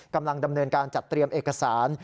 กำลังดำเนินการจัดเตรียมเอกสาร